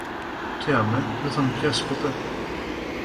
Και αμέ δε θα με πιάσεις ποτέ